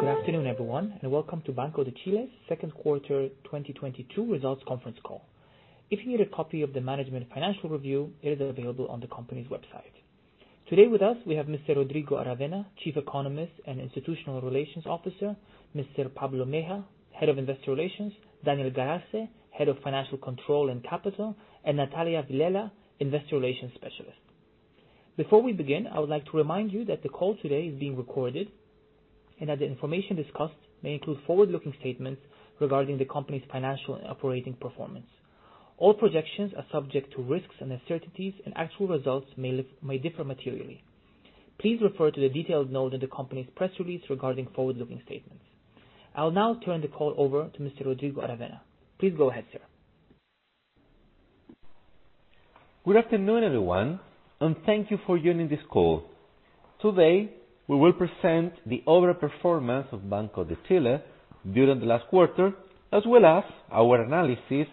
Good afternoon, everyone, and welcome to Banco de Chile's second quarter 2022 results conference call. If you need a copy of the management financial review, it is available on the company's website. Today with us, we have Mr. Rodrigo Aravena, Chief Economist and Institutional Relations Officer, Mr. Pablo Mejia, Head of Investor Relations, Daniel Galarce, Head of Financial Control and Capital, and Natalia Villela, Investor Relations Specialist. Before we begin, I would like to remind you that the call today is being recorded and that the information discussed may include forward-looking statements regarding the company's financial and operating performance. All projections are subject to risks and uncertainties, and actual results may differ materially. Please refer to the detailed note in the company's press release regarding forward-looking statements. I'll now turn the call over to Mr. Rodrigo Aravena. Please go ahead, sir. Good afternoon, everyone, and thank you for joining this call. Today, we will present the overall performance of Banco de Chile during the last quarter, as well as our analysis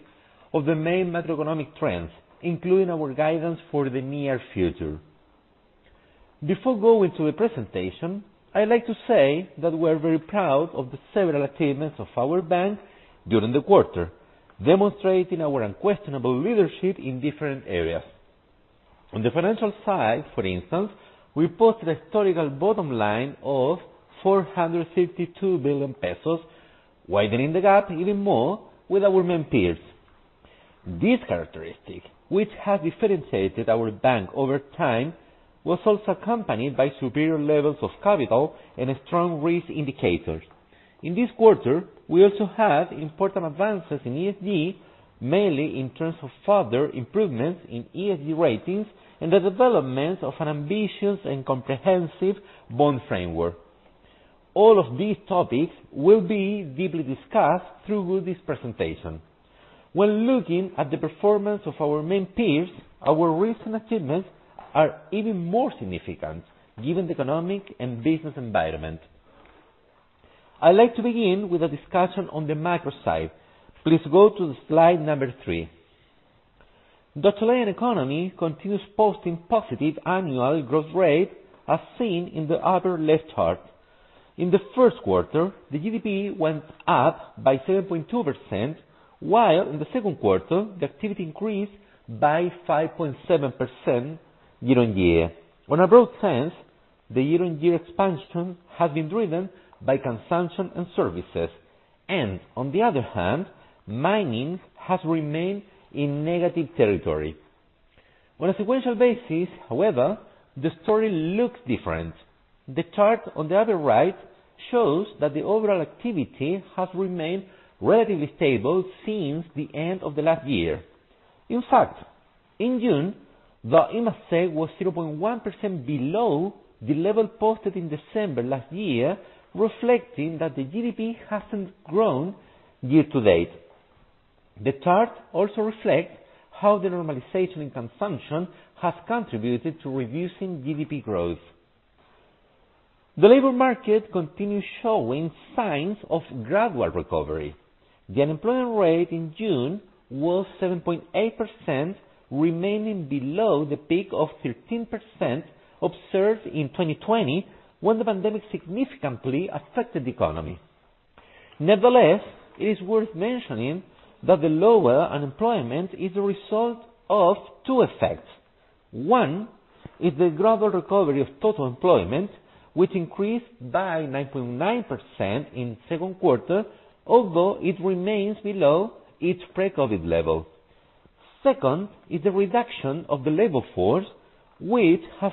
of the main macroeconomic trends, including our guidance for the near future. Before going to the presentation, I'd like to say that we're very proud of the several achievements of our bank during the quarter, demonstrating our unquestionable leadership in different areas. On the financial side, for instance, we posted a historical bottom line of 452 billion pesos, widening the gap even more with our main peers. This characteristic, which has differentiated our bank over time, was also accompanied by superior levels of capital and strong risk indicators. In this quarter, we also had important advances in ESG, mainly in terms of further improvements in ESG ratings and the development of an ambitious and comprehensive bond framework. All of these topics will be deeply discussed throughout this presentation. When looking at the performance of our main peers, our recent achievements are even more significant given the economic and business environment. I'd like to begin with a discussion on the micro side. Please go to slide number three. The Chilean economy continues posting positive annual growth rate, as seen in the upper left chart. In the first quarter, the GDP went up by 7.2%, while in the second quarter, the activity increased by 5.7% year-on-year. On a broad sense, the year-on-year expansion has been driven by consumption and services, and on the other hand, mining has remained in negative territory. On a sequential basis, however, the story looks different. The chart on the upper right shows that the overall activity has remained relatively stable since the end of the last year. In fact, in June, the IMACEC was 0.1% below the level posted in December last year, reflecting that the GDP hasn't grown year to date. The chart also reflects how the normalization in consumption has contributed to reducing GDP growth. The labor market continues showing signs of gradual recovery. The unemployment rate in June was 7.8%, remaining below the peak of 13% observed in 2020, when the pandemic significantly affected the economy. Nevertheless, it is worth mentioning that the lower unemployment is the result of two effects. One is the global recovery of total employment, which increased by 9.9% in second quarter, although it remains below its pre-COVID level. Second is the reduction of the labor force, which has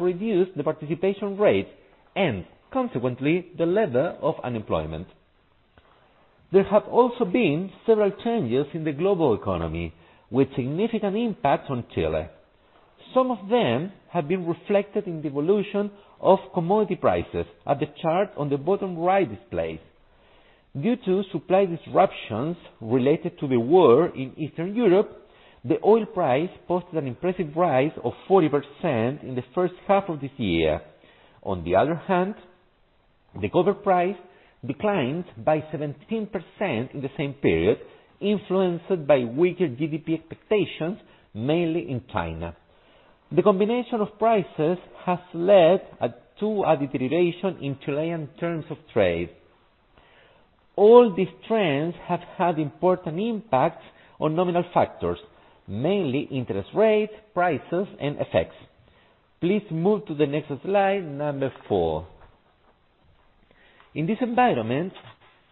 reduced the participation rate and, consequently, the level of unemployment. There have also been several changes in the global economy with significant impact on Chile. Some of them have been reflected in the evolution of commodity prices as the chart on the bottom right displays. Due to supply disruptions related to the war in Eastern Europe, the oil price posted an impressive rise of 40% in the first half of this year. On the other hand, the copper price declined by 17% in the same period, influenced by weaker GDP expectations, mainly in China. The combination of prices has led to a deterioration in Chilean terms of trade. All these trends have had important impacts on nominal factors, mainly interest rates, prices, and effects. Please move to the next slide, number four. In this environment,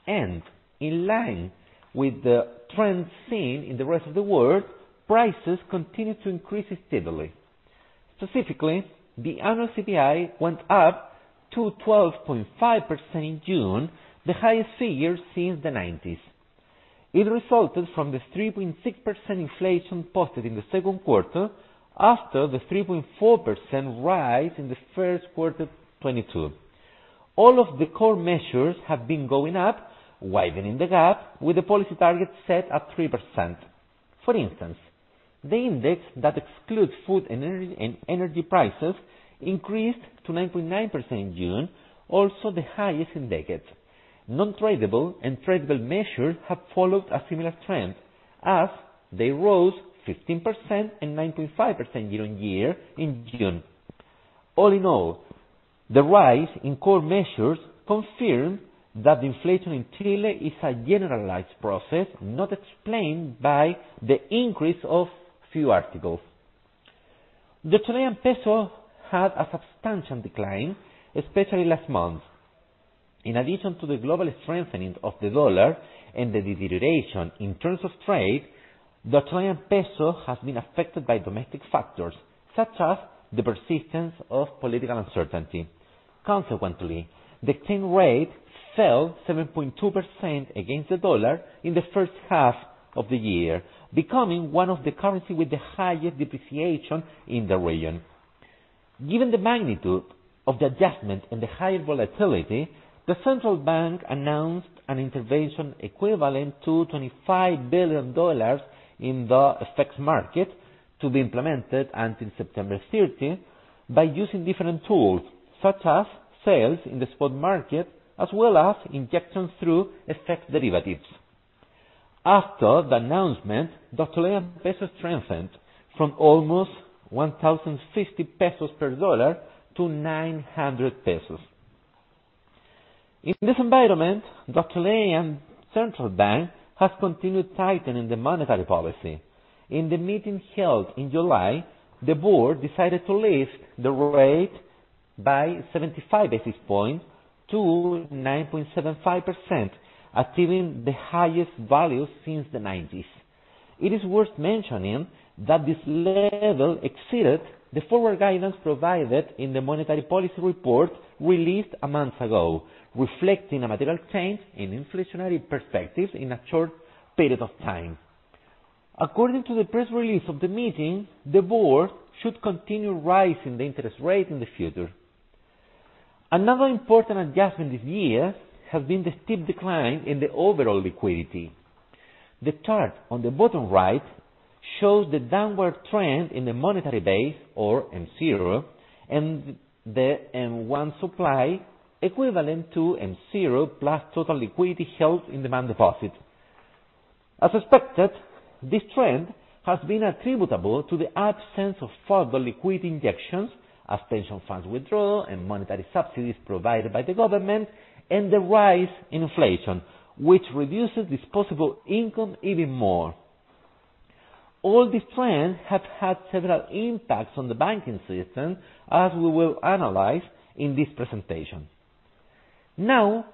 and in line with the trends seen in the rest of the world, prices continued to increase steadily. Specifically, the annual CPI went up to 12.5% in June, the highest figure since the 1990s. It resulted from the 3.6% inflation posted in the second quarter after the 3.4% rise in the first quarter 2022. All of the core measures have been going up, widening the gap, with the policy target set at 3%. For instance, the index that excludes food and energy, and energy prices increased to 9.9% in June, also the highest in decades. Nontradable and tradable measures have followed a similar trend as they rose 15% and 9.5% year-on-year in June. All in all, the rise in core measures confirm that inflation in Chile is a generalized process, not explained by the increase of few articles. The Chilean peso had a substantial decline, especially last month. In addition to the global strengthening of the dollar and the deterioration in terms of trade, the Chilean peso has been affected by domestic factors, such as the persistence of political uncertainty. Consequently, the exchange rate fell 7.2% against the dollar in the first half of the year, becoming one of the currencies with the highest depreciation in the region. Given the magnitude of the adjustment and the higher volatility, the Central Bank of Chile announced an intervention equivalent to $25 billion in the FX market to be implemented until September 30th by using different tools, such as sales in the spot market, as well as injections through FX derivatives. After the announcement, the Chilean peso strengthened from almost 1,050 pesos per dollar to 900 pesos. In this environment, the Chilean Central Bank has continued tightening the monetary policy. In the meeting held in July, the board decided to lift the rate by 75 basis points to 9.75%, achieving the highest value since the nineties. It is worth mentioning that this level exceeded the forward guidance provided in the monetary policy report released a month ago, reflecting a material change in inflationary perspectives in a short period of time. According to the press release of the meeting, the board should continue raising the interest rate in the future. Another important adjustment this year has been the steep decline in the overall liquidity. The chart on the bottom right shows the downward trend in the monetary base or M0 and the M1 supply equivalent to M0 plus total liquidity held in demand deposits. As expected, this trend has been attributable to the absence of further liquidity injections as pension funds withdraw and monetary subsidies provided by the government and the rise in inflation, which reduces disposable income even more. All these trends have had several impacts on the banking system, as we will analyze in this presentation. Now,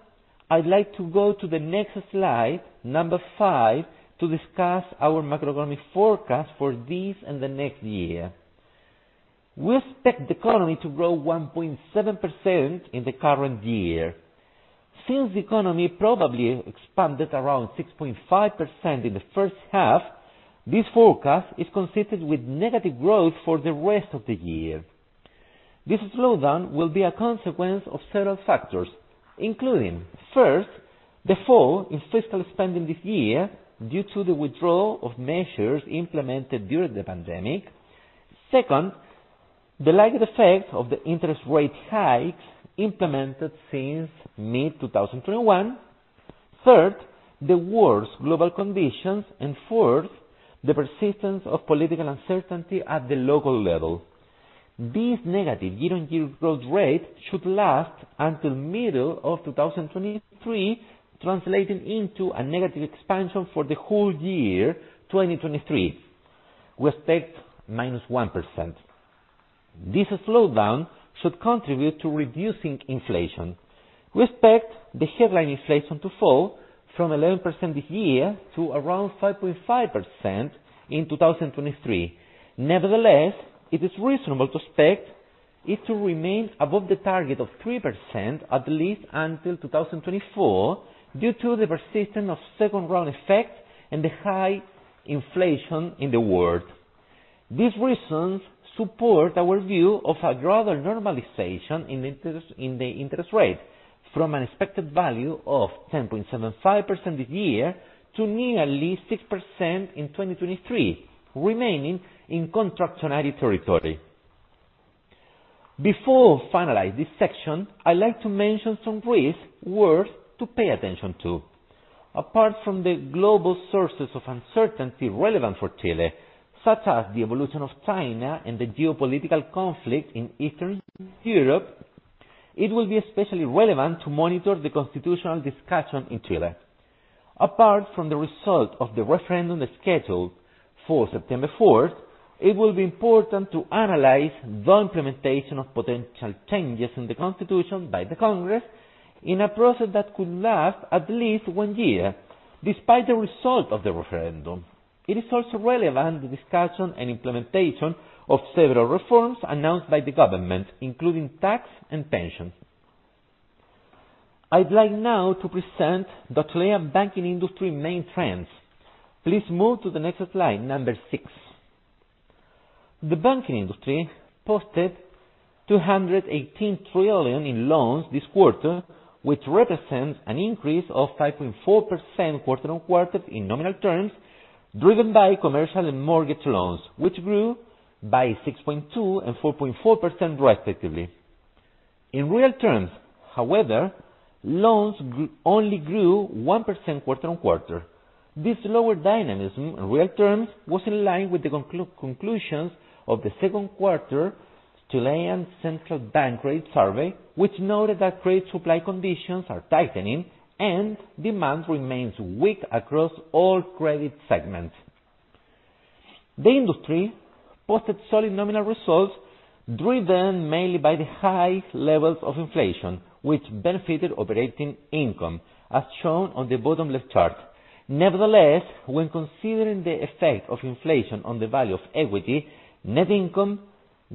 I'd like to go to the next slide, number five, to discuss our macroeconomic forecast for this and the next year. We expect the economy to grow 1.7% in the current year. Since the economy probably expanded around 6.5% in the first half, this forecast is consistent with negative growth for the rest of the year. This slowdown will be a consequence of several factors, including, first, the fall in fiscal spending this year due to the withdrawal of measures implemented during the pandemic. Second, the lagged effect of the interest rate hikes implemented since mid-2021. Third, the worse global conditions. Fourth, the persistence of political uncertainty at the local level. These negative year-on-year growth rate should last until middle of 2023, translating into a negative expansion for the whole year, 2023. We expect -1%. This slowdown should contribute to reducing inflation. We expect the headline inflation to fall from 11% this year to around 5.5% in 2023. Nevertheless, it is reasonable to expect it to remain above the target of 3% at least until 2024 due to the persistent of second round effect and the high inflation in the world. These reasons support our view of a rather normalization in the interest rate from an expected value of 10.75% this year to nearly 6% in 2023, remaining in contractionary territory. Before finalize this section, I'd like to mention some risks worth to pay attention to. Apart from the global sources of uncertainty relevant for Chile, such as the evolution of China and the geopolitical conflict in Eastern Europe, it will be especially relevant to monitor the constitutional discussion in Chile. Apart from the result of the referendum scheduled for September fourth, it will be important to analyze the implementation of potential changes in the constitution by the Congress in a process that could last at least one year, despite the result of the referendum. It is also relevant the discussion and implementation of several reforms announced by the government, including tax and pensions. I'd like now to present the Chilean banking industry main trends. Please move to the next slide, number six. The banking industry posted 218 trillion in loans this quarter, which represents an increase of 5.4% quarter-on-quarter in nominal terms, driven by commercial and mortgage loans, which grew by 6.2% and 4.4% respectively. In real terms, however, loans only grew 1% quarter-on-quarter. This lower dynamism in real terms was in line with the conclusions of the second quarter Banking Credit Survey, which noted that credit supply conditions are tightening and demand remains weak across all credit segments. The industry posted solid nominal results, driven mainly by the high levels of inflation, which benefited operating income, as shown on the bottom left chart. Nevertheless, when considering the effect of inflation on the value of equity, net income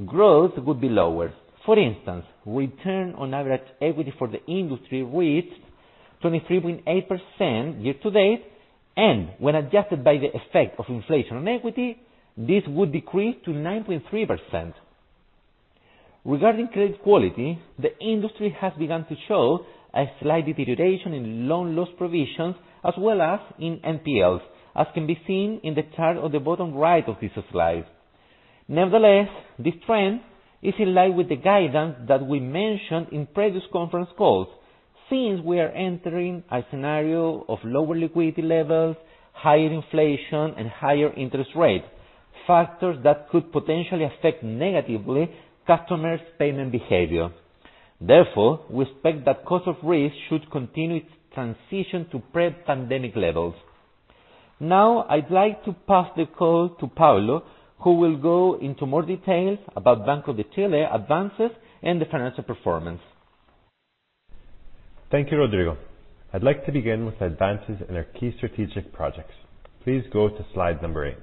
growth would be lower. For instance, return on average equity for the industry reached 23.8% year to date, and when adjusted by the effect of inflation on equity, this would decrease to 9.3%. Regarding credit quality, the industry has begun to show a slight deterioration in loan loss provisions as well as in NPLs, as can be seen in the chart on the bottom right of this slide. Nevertheless, this trend is in line with the guidance that we mentioned in previous conference calls, since we are entering a scenario of lower liquidity levels, higher inflation, and higher interest rate, factors that could potentially affect negatively customers' payment behavior. Therefore, we expect that cost of risk should continue its transition to pre-pandemic levels. Now, I'd like to pass the call to Pablo, who will go into more details about Banco de Chile advances and the financial performance. Thank you, Rodrigo. I'd like to begin with advances in our key strategic projects. Please go to slide number eight.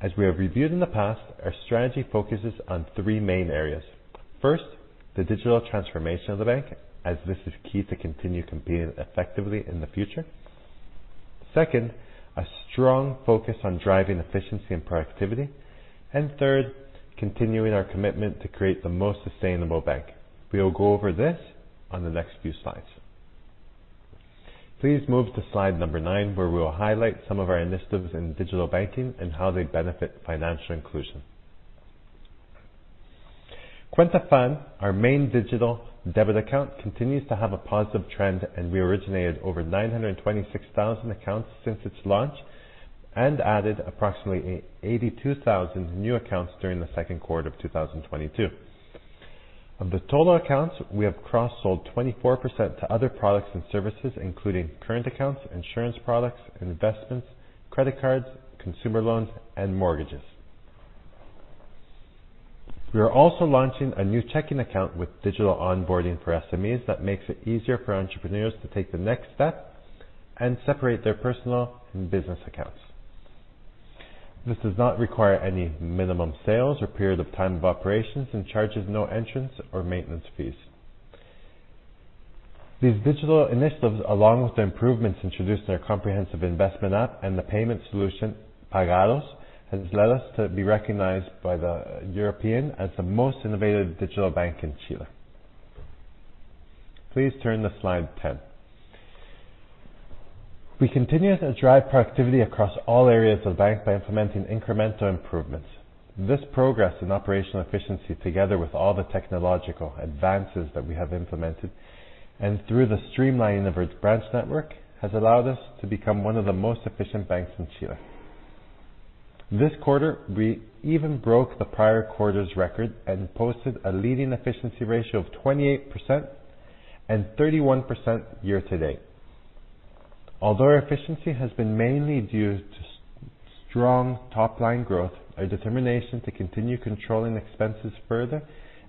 As we have reviewed in the past, our strategy focuses on three main areas. First, the digital transformation of the bank, as this is key to continue competing effectively in the future. Second, a strong focus on driving efficiency and productivity. Third, continuing our commitment to create the most sustainable bank. We will go over this on the next few slides. Please move to slide number nine, where we will highlight some of our initiatives in digital banking and how they benefit financial inclusion. Cuenta FAN, our main digital debit account, continues to have a positive trend, and we originated over 926,000 accounts since its launch and added approximately 82,000 new accounts during the second quarter of 2022. Of the total accounts, we have cross-sold 24% to other products and services, including current accounts, insurance products, investments, credit cards, consumer loans, and mortgages. We are also launching a new checking account with digital onboarding for SMEs that makes it easier for entrepreneurs to take the next step and separate their personal and business accounts. This does not require any minimum sales or period of time of operations and charges no entrance or maintenance fees. These digital initiatives, along with the improvements introduced in our comprehensive investment app and the payment solution, Paga2, has led us to be recognized by The European as the most innovative digital bank in Chile. Please turn to slide 10. We continue to drive productivity across all areas of the bank by implementing incremental improvements. This progress in operational efficiency, together with all the technological advances that we have implemented and through the streamlining of its branch network, has allowed us to become one of the most efficient banks in Chile. This quarter, we even broke the prior quarter's record and posted a leading efficiency ratio of 28% and 31% year to date. Although our efficiency has been mainly due to strong top-line growth, our determination to continue controlling expenses further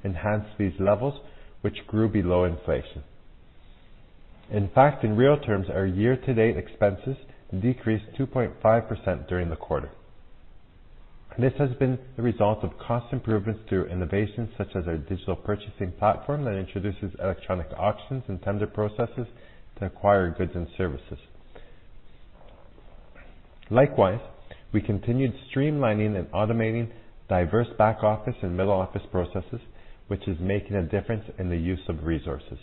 enhanced these levels, which grew below inflation. In fact, in real terms, our year-to-date expenses decreased 2.5% during the quarter. This has been the result of cost improvements through innovations such as our digital purchasing platform that introduces electronic auctions and tender processes to acquire goods and services. Likewise, we continued streamlining and automating diverse back-office and middle-office processes, which is making a difference in the use of resources.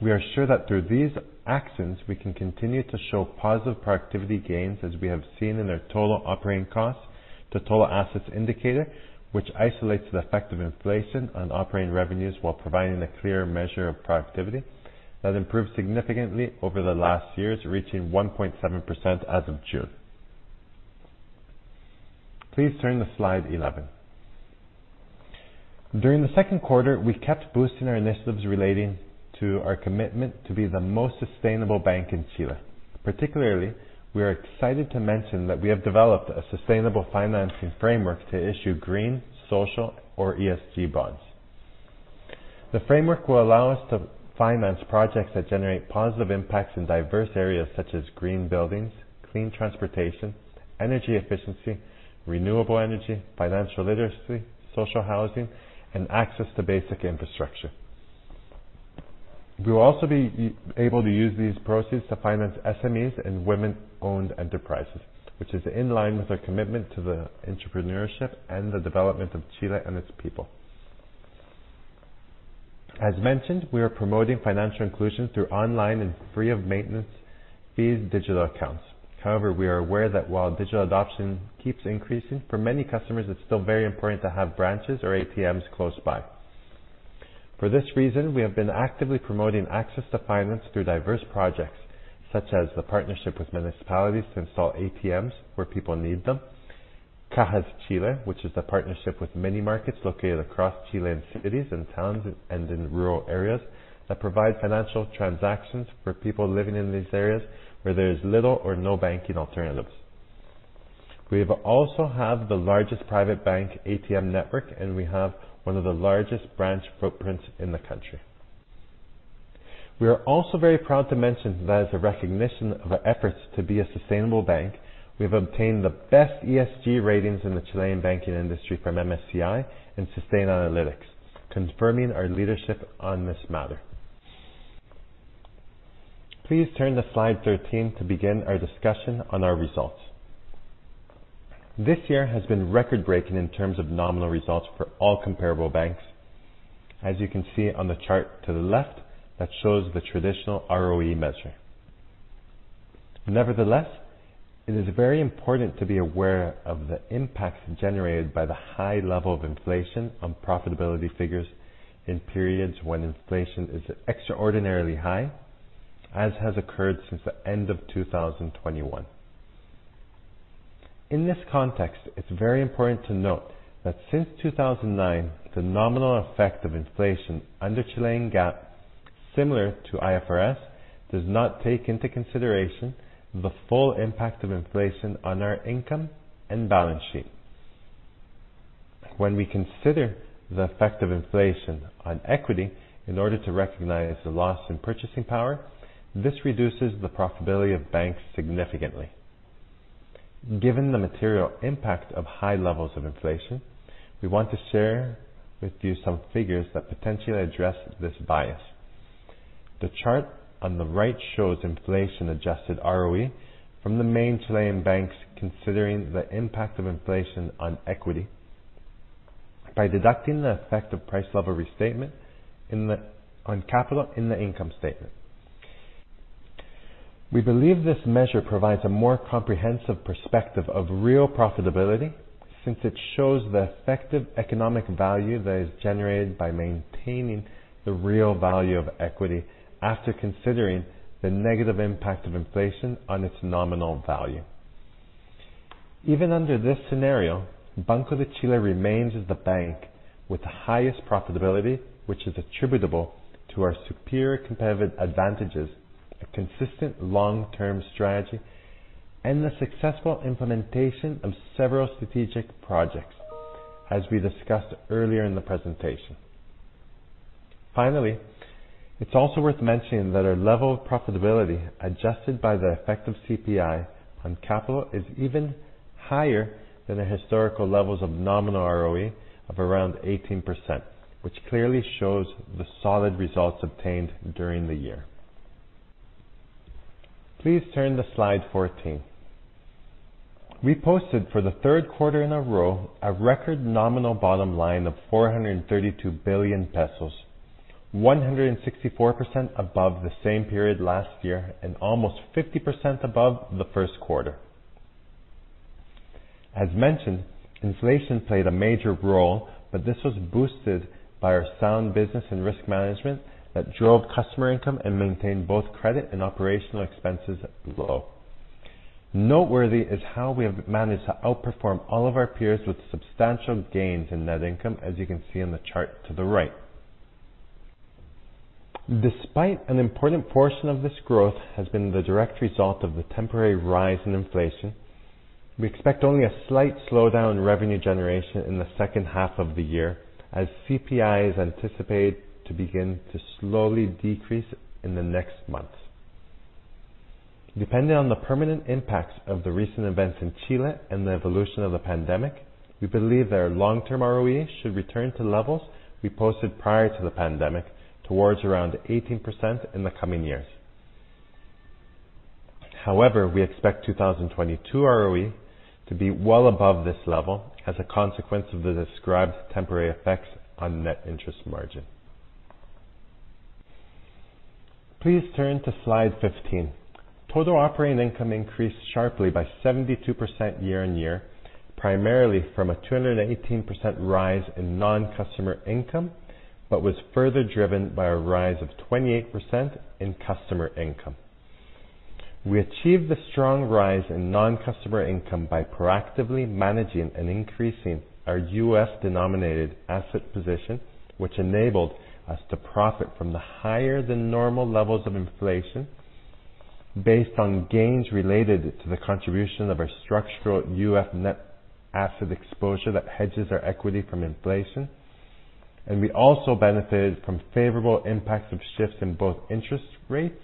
We are sure that through these actions, we can continue to show positive productivity gains as we have seen in our total operating costs to total assets indicator, which isolates the effect of inflation on operating revenues while providing a clearer measure of productivity that improved significantly over the last years, reaching 1.7% as of June. Please turn to slide 11. During the second quarter, we kept boosting our initiatives relating to our commitment to be the most sustainable bank in Chile. Particularly, we are excited to mention that we have developed a sustainable financing framework to issue green, social, or ESG bonds. The framework will allow us to finance projects that generate positive impacts in diverse areas such as green buildings, clean transportation, energy efficiency, renewable energy, financial literacy, social housing, and access to basic infrastructure. We will also be able to use these proceeds to finance SMEs and women-owned enterprises, which is in line with our commitment to the entrepreneurship and the development of Chile and its people. As mentioned, we are promoting financial inclusion through online and free of maintenance fees digital accounts. However, we are aware that while digital adoption keeps increasing, for many customers, it's still very important to have branches or ATMs close by. For this reason, we have been actively promoting access to finance through diverse projects, such as the partnership with municipalities to install ATMs where people need them. CajasChile, which is a partnership with many markets located across Chilean cities and towns, and in rural areas that provide financial transactions for people living in these areas where there is little or no banking alternatives. We have the largest private bank ATM network, and we have one of the largest branch footprints in the country. We are also very proud to mention that as a recognition of our efforts to be a sustainable bank, we have obtained the best ESG ratings in the Chilean banking industry from MSCI and Sustainalytics, confirming our leadership on this matter. Please turn to slide 13 to begin our discussion on our results. This year has been record-breaking in terms of nominal results for all comparable banks, as you can see on the chart to the left that shows the traditional ROE measure. Nevertheless, it is very important to be aware of the impacts generated by the high level of inflation on profitability figures in periods when inflation is extraordinarily high, as has occurred since the end of 2021. In this context, it's very important to note that since 2009, the nominal effect of inflation under Chilean GAAP, similar to IFRS, does not take into consideration the full impact of inflation on our income and balance sheet. When we consider the effect of inflation on equity in order to recognize the loss in purchasing power, this reduces the profitability of banks significantly. Given the material impact of high levels of inflation, we want to share with you some figures that potentially address this bias. The chart on the right shows inflation-adjusted ROE from the main Chilean banks, considering the impact of inflation on equity by deducting the effect of price level restatement on capital in the income statement. We believe this measure provides a more comprehensive perspective of real profitability since it shows the effective economic value that is generated by maintaining the real value of equity after considering the negative impact of inflation on its nominal value. Even under this scenario, Banco de Chile remains as the bank with the highest profitability, which is attributable to our superior competitive advantages, a consistent long-term strategy, and the successful implementation of several strategic projects, as we discussed earlier in the presentation. Finally, it's also worth mentioning that our level of profitability adjusted by the effect of CPI on capital is even higher than the historical levels of nominal ROE of around 18%, which clearly shows the solid results obtained during the year. Please turn to slide 14. We posted for the third quarter in a row a record nominal bottom line of 432 billion pesos, 164% above the same period last year and almost 50% above the first quarter. As mentioned, inflation played a major role, but this was boosted by our sound business and risk management that drove customer income and maintained both credit and operational expenses low. Noteworthy is how we have managed to outperform all of our peers with substantial gains in net income, as you can see on the chart to the right. Despite an important portion of this growth has been the direct result of the temporary rise in inflation, we expect only a slight slowdown in revenue generation in the second half of the year as CPI is anticipated to begin to slowly decrease in the next months. Depending on the permanent impacts of the recent events in Chile and the evolution of the pandemic, we believe that our long-term ROE should return to levels we posted prior to the pandemic towards around 18% in the coming years. However, we expect 2022 ROE to be well above this level as a consequence of the described temporary effects on net interest margin. Please turn to slide 15. Total operating income increased sharply by 72% year-on-year, primarily from a 218% rise in non-customer income, but was further driven by a rise of 28% in customer income. We achieved the strong rise in non-customer income by proactively managing and increasing our UF-denominated asset position, which enabled us to profit from the higher than normal levels of inflation based on gains related to the contribution of our structural UF net asset exposure that hedges our equity from inflation. We also benefited from favorable impacts of shifts in both interest rates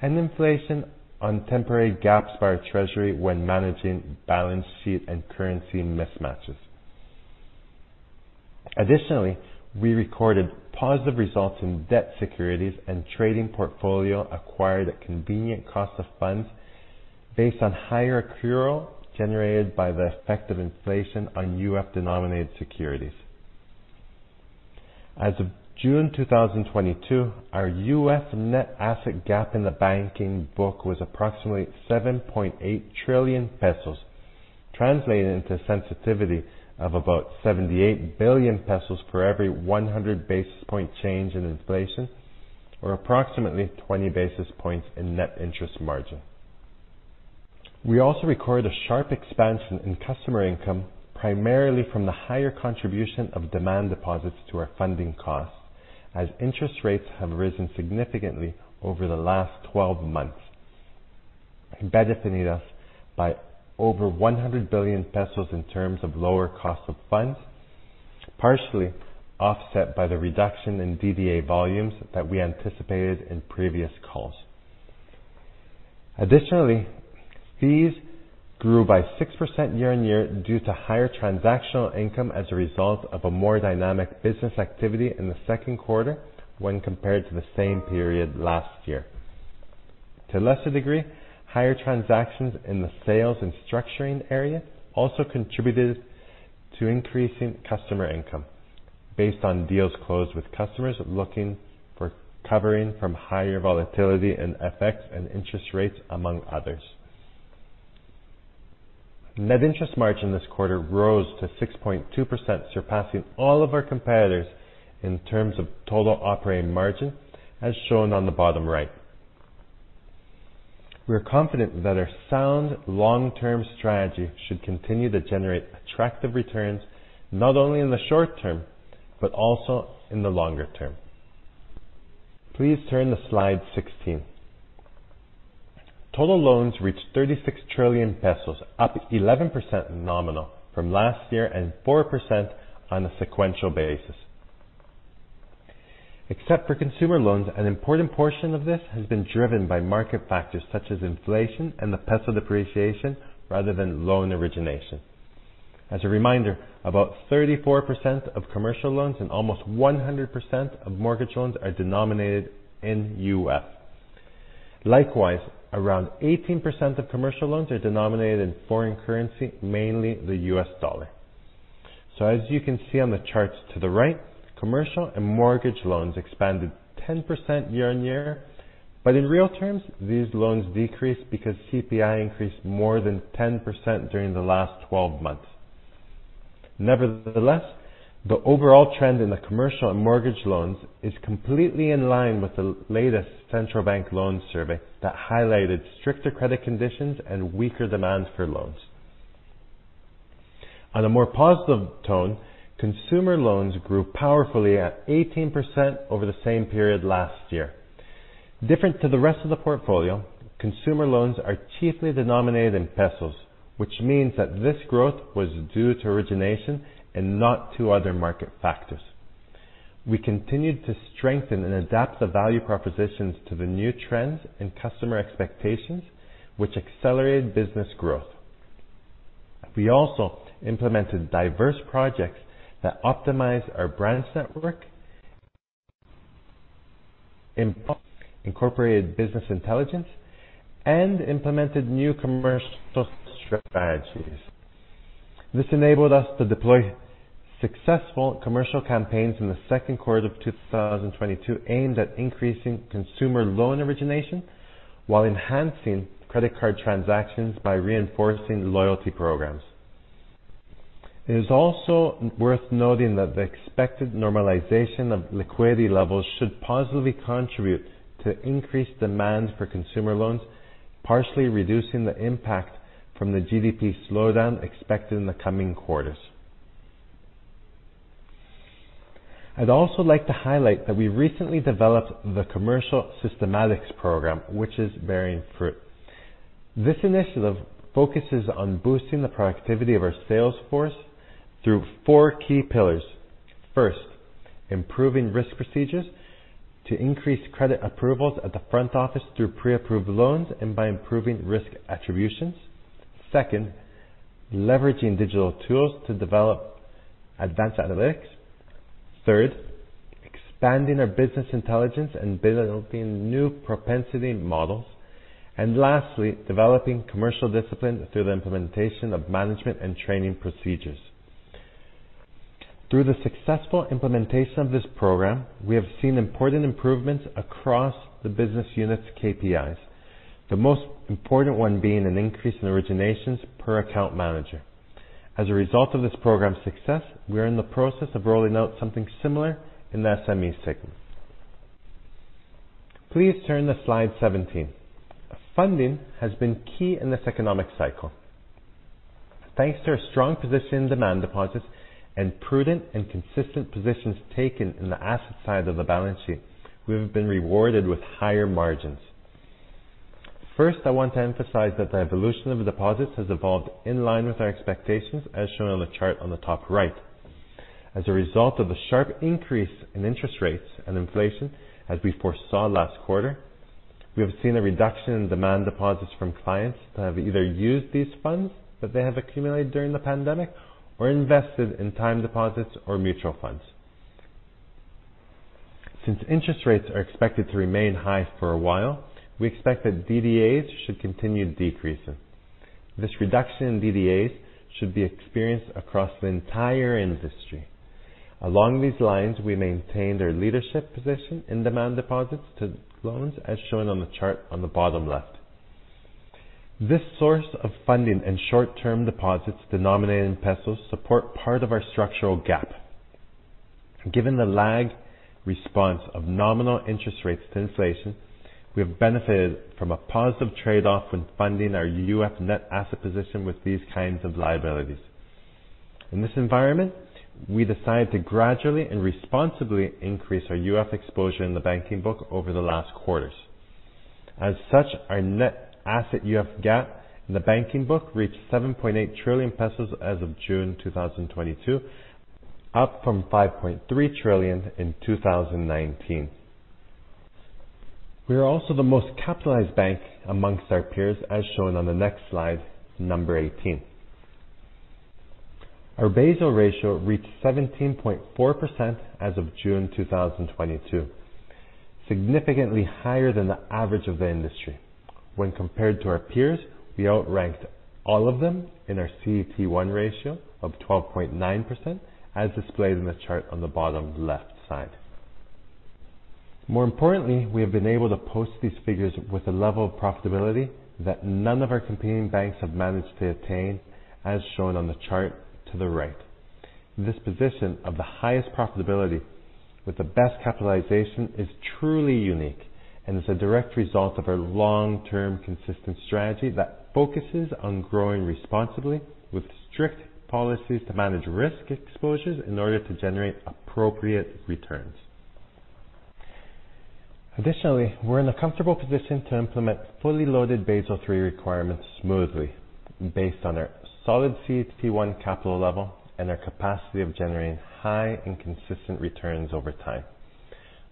and inflation on temporary gaps by our treasury when managing balance sheet and currency mismatches. Additionally, we recorded positive results in debt securities and trading portfolio acquired at convenient cost of funds based on higher accrual generated by the effect of inflation on UF-denominated securities. As of June 2022, our UF net asset gap in the banking book was approximately 7.8 trillion pesos, translating into sensitivity of about 78 billion pesos for every 100 basis point change in inflation or approximately 20 basis points in net interest margin. We also recorded a sharp expansion in customer income, primarily from the higher contribution of demand deposits to our funding costs. As interest rates have risen significantly over the last 12 months, benefiting us by over 100 billion pesos in terms of lower cost of funds, partially offset by the reduction in DDA volumes that we anticipated in previous calls. Additionally, fees grew by 6% year-on-year due to higher transactional income as a result of a more dynamic business activity in the second quarter when compared to the same period last year. To a lesser degree, higher transactions in the sales and structuring area also contributed to increasing customer income based on deals closed with customers looking for coverage from higher volatility and FX and interest rates, among others. Net interest margin this quarter rose to 6.2%, surpassing all of our competitors in terms of total operating margin, as shown on the bottom right. We are confident that our sound long-term strategy should continue to generate attractive returns, not only in the short term, but also in the longer term. Please turn to slide 16. Total loans reached 36 trillion pesos, up 11% nominal from last year and 4% on a sequential basis. Except for consumer loans, an important portion of this has been driven by market factors such as inflation and the peso depreciation rather than loan origination. As a reminder, about 34% of commercial loans and almost 100% of mortgage loans are denominated in UF. Likewise, around 18% of commercial loans are denominated in foreign currency, mainly the U.S. dollar. As you can see on the charts to the right, commercial and mortgage loans expanded 10% year-on-year. In real terms, these loans decreased because CPI increased more than 10% during the last 12 months. Nevertheless, the overall trend in the commercial and mortgage loans is completely in line with the latest Banking Credit Survey that highlighted stricter credit conditions and weaker demand for loans. On a more positive tone, consumer loans grew powerfully at 18% over the same period last year. Different from the rest of the portfolio, consumer loans are chiefly denominated in pesos, which means that this growth was due to origination and not to other market factors. We continued to strengthen and adapt the value propositions to the new trends and customer expectations, which accelerated business growth. We also implemented diverse projects that optimize our branch network, incorporated business intelligence, and implemented new commercial strategies. This enabled us to deploy successful commercial campaigns in the second quarter of 2022, aimed at increasing consumer loan origination while enhancing credit card transactions by reinforcing loyalty programs. It is also worth noting that the expected normalization of liquidity levels should positively contribute to increased demand for consumer loans, partially reducing the impact from the GDP slowdown expected in the coming quarters. I'd also like to highlight that we recently developed the Commercial Systematics program, which is bearing fruit. This initiative focuses on boosting the productivity of our sales force through four key pillars. First, improving risk procedures to increase credit approvals at the front office through pre-approved loans and by improving risk attributions. Second, leveraging digital tools to develop advanced analytics. Third, expanding our business intelligence and building new propensity models. And lastly, developing commercial discipline through the implementation of management and training procedures. Through the successful implementation of this program, we have seen important improvements across the business unit's KPIs. The most important one being an increase in originations per account manager. As a result of this program's success, we are in the process of rolling out something similar in the SME segment. Please turn to slide 17. Funding has been key in this economic cycle. Thanks to our strong position in demand deposits and prudent and consistent positions taken in the asset side of the balance sheet, we have been rewarded with higher margins. First, I want to emphasize that the evolution of deposits has evolved in line with our expectations, as shown on the chart on the top right. As a result of the sharp increase in interest rates and inflation, as we foresaw last quarter, we have seen a reduction in demand deposits from clients that have either used these funds that they have accumulated during the pandemic or invested in time deposits or mutual funds. Since interest rates are expected to remain high for a while, we expect that DDAs should continue decreasing. This reduction in DDAs should be experienced across the entire industry. Along these lines, we maintain our leadership position in demand deposits to loans, as shown on the chart on the bottom left. This source of funding and short-term deposits denominated in pesos support part of our structural gap. Given the lag response of nominal interest rates to inflation, we have benefited from a positive trade-off when funding our UF net asset position with these kinds of liabilities. In this environment, we decide to gradually and responsibly increase our UF exposure in the banking book over the last quarters. As such, our net asset UF gap in the banking book reached 7.8 trillion pesos as of June 2022, up from 5.3 trillion in 2019. We are also the most capitalized bank among our peers, as shown on the next slide 18. Our Basel ratio reached 17.4% as of June 2022, significantly higher than the average of the industry. When compared to our peers, we outranked all of them in our CET1 ratio of 12.9%, as displayed in the chart on the bottom left side. More importantly, we have been able to post these figures with a level of profitability that none of our competing banks have managed to attain, as shown on the chart to the right. This position of the highest profitability with the best capitalization is truly unique and is a direct result of our long-term consistent strategy that focuses on growing responsibly with strict policies to manage risk exposures in order to generate appropriate returns. We're in a comfortable position to implement fully loaded Basel III requirements smoothly based on our solid CET1 capital level and our capacity of generating high and consistent returns over time,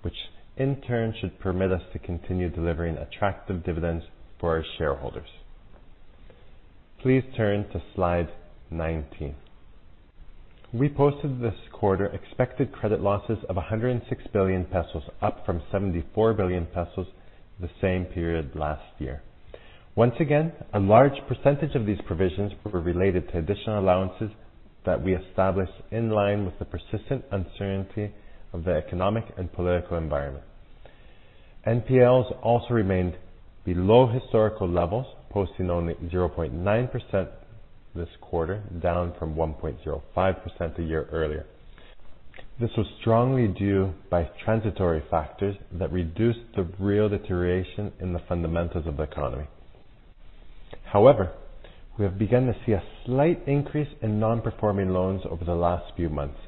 which in turn should permit us to continue delivering attractive dividends for our shareholders. Please turn to slide 19. We posted this quarter expected credit losses of 106 billion pesos, up from 74 billion pesos the same period last year. Once again, a large percentage of these provisions were related to additional allowances that we established in line with the persistent uncertainty of the economic and political environment. NPLs also remained below historical levels, posting only 0.9% this quarter, down from 1.05% a year earlier. This was strongly driven by transitory factors that reduced the real deterioration in the fundamentals of the economy. However, we have begun to see a slight increase in non-performing loans over the last few months,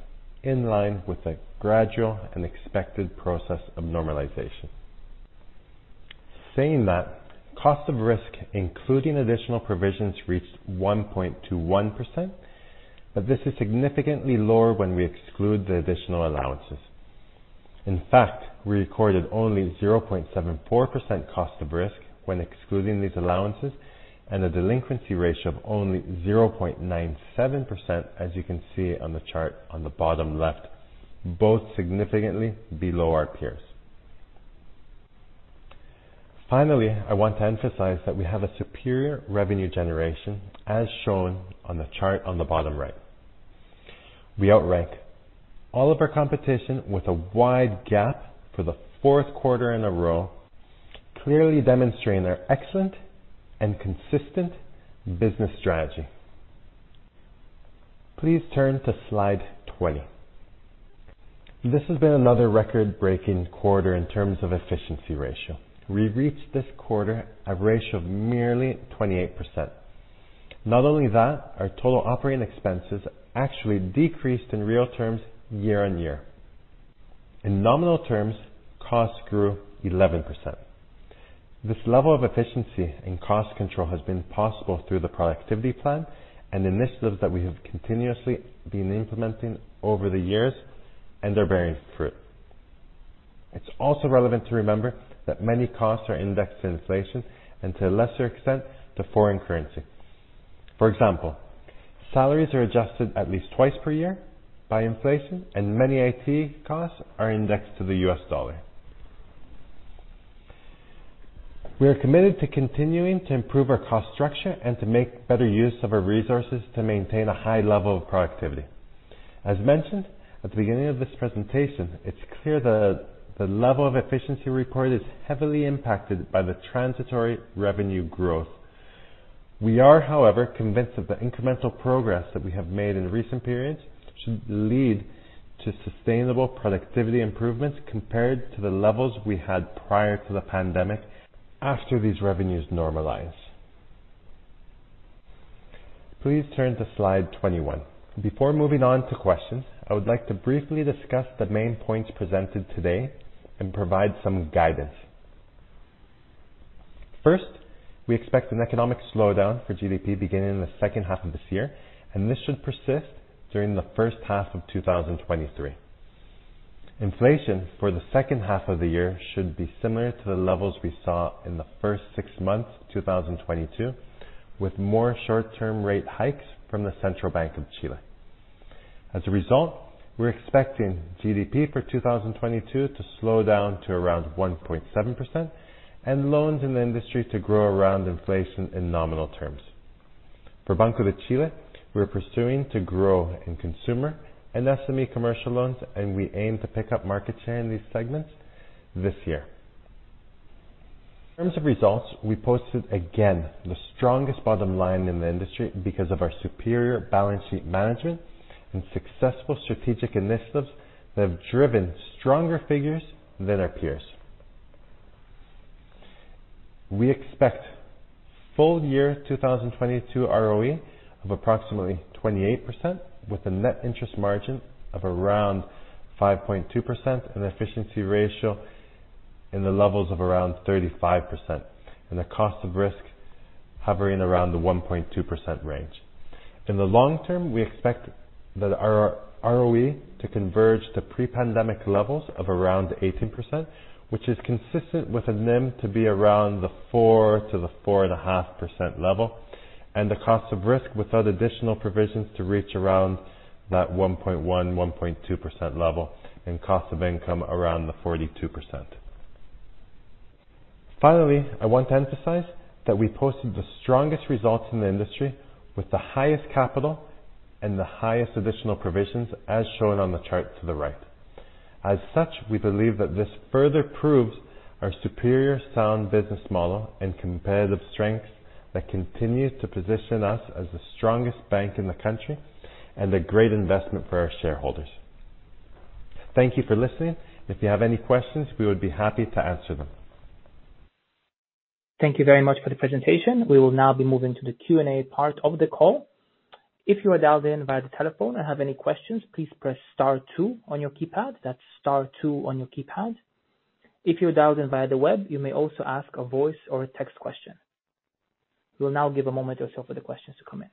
in line with the gradual and expected process of normalization. Saying that, cost of risk, including additional provisions, reached 1.21%, but this is significantly lower when we exclude the additional allowances. In fact, we recorded only 0.74% cost of risk when excluding these allowances and a delinquency ratio of only 0.97%, as you can see on the chart on the bottom left, both significantly below our peers. Finally, I want to emphasize that we have a superior revenue generation, as shown on the chart on the bottom right. We outrank all of our competition with a wide gap for the fourth quarter in a row, clearly demonstrating our excellent and consistent business strategy. Please turn to slide 20. This has been another record-breaking quarter in terms of efficiency ratio. We reached this quarter a ratio of merely 28%. Not only that, our total operating expenses actually decreased in real terms year-over-year. In nominal terms, costs grew 11%. This level of efficiency and cost control has been possible through the productivity plan and initiatives that we have continuously been implementing over the years and are bearing fruit. It's also relevant to remember that many costs are indexed to inflation and to a lesser extent, to foreign currency. For example, salaries are adjusted at least twice per year by inflation, and many IT costs are indexed to the U.S. dollar. We are committed to continuing to improve our cost structure and to make better use of our resources to maintain a high level of productivity. As mentioned at the beginning of this presentation, it's clear the level of efficiency reported is heavily impacted by the transitory revenue growth. We are, however, convinced that the incremental progress that we have made in recent periods should lead to sustainable productivity improvements compared to the levels we had prior to the pandemic after these revenues normalize. Please turn to slide 21. Before moving on to questions, I would like to briefly discuss the main points presented today and provide some guidance. First, we expect an economic slowdown for GDP beginning in the second half of this year, and this should persist during the first half of 2023. Inflation for the second half of the year should be similar to the levels we saw in the first six months, 2022, with more short-term rate hikes from the Central Bank of Chile. As a result, we're expecting GDP for 2022 to slow down to around 1.7%, and loans in the industry to grow around inflation in nominal terms. For Banco de Chile, we're pursuing to grow in consumer and SME commercial loans, and we aim to pick up market share in these segments this year. In terms of results, we posted again the strongest bottom line in the industry because of our superior balance sheet management and successful strategic initiatives that have driven stronger figures than our peers. We expect full-year 2022 ROE of approximately 28%, with a net interest margin of around 5.2% and an efficiency ratio in the levels of around 35%. A cost of risk hovering around the 1.2% range. In the long term, we expect that our ROE to converge to pre-pandemic levels of around 18%, which is consistent with the NIM to be around the 4%-4.5% level, and the cost of risk without additional provisions to reach around that 1.1%-1.2% level, and cost of income around the 42%. Finally, I want to emphasize that we posted the strongest results in the industry with the highest capital and the highest additional provisions, as shown on the chart to the right. As such, we believe that this further proves our superior sound business model and competitive strengths that continue to position us as the strongest bank in the country and a great investment for our shareholders. Thank you for listening. If you have any questions, we would be happy to answer them. Thank you very much for the presentation. We will now be moving to the Q&A part of the call. If you are dialed in via the telephone and have any questions, please press star two on your keypad. That's star two on your keypad. If you're dialed in via the web, you may also ask a voice or a text question. We will now give a moment or so for the questions to come in.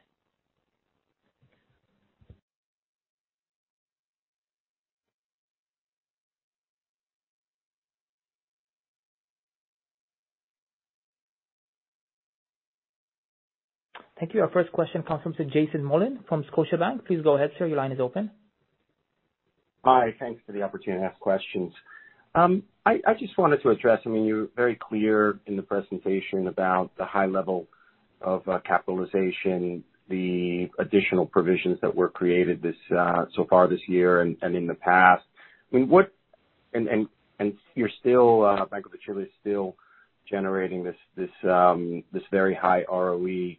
Thank you. Our first question comes from Jason Mollin from Scotiabank. Please go ahead, sir. Your line is open. Hi. Thanks for the opportunity to ask questions. I just wanted to address, I mean, you're very clear in the presentation about the high level of capitalization, the additional provisions that were created so far this year and in the past. I mean, what you're still, Banco de Chile is still generating this very high ROE.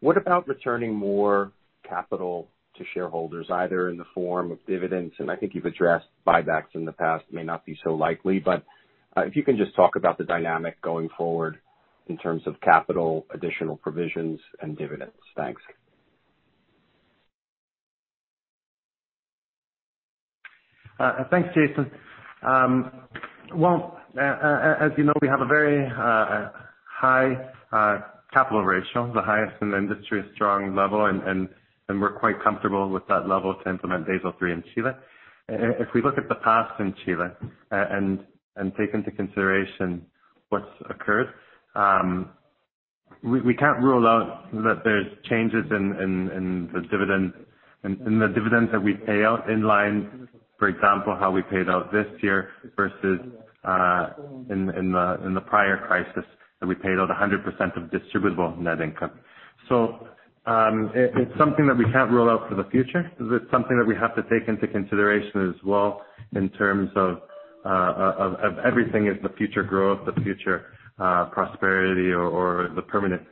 What about returning more capital to shareholders, either in the form of dividends, and I think you've addressed buybacks in the past may not be so likely. If you can just talk about the dynamic going forward in terms of capital, additional provisions, and dividends. Thanks. Thanks, Jason. Well, as you know, we have a very high capital ratio, the highest in the industry, a strong level, and we're quite comfortable with that level to implement Basel III in Chile. If we look at the past in Chile and take into consideration what's occurred, we can't rule out that there's changes in the dividends that we pay out in line, for example, how we paid out this year versus in the prior crisis that we paid out 100% of distributable net income. It's something that we can't rule out for the future. It's something that we have to take into consideration as well in terms of everything as the future growth, the future prosperity or the permanent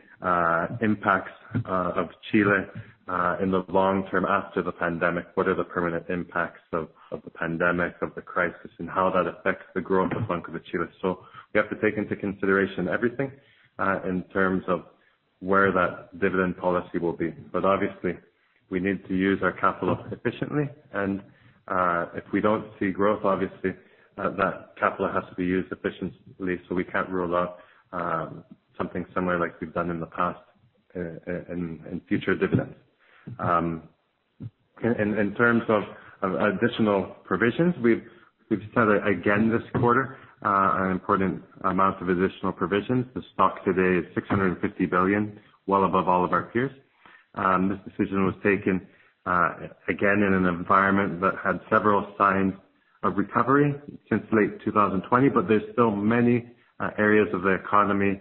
impacts of Chile in the long term after the pandemic. What are the permanent impacts of the pandemic, of the crisis, and how that affects the growth of Banco de Chile. We have to take into consideration everything in terms of where that dividend policy will be. Obviously we need to use our capital efficiently and if we don't see growth, obviously that capital has to be used efficiently, so we can't rule out something similar like we've done in the past in future dividends. In terms of additional provisions, we've set again this quarter an important amount of additional provisions. The stock today is 650 billion, well above all of our peers. This decision was taken again in an environment that had several signs of recovery since late 2020, but there's still many areas of the economy,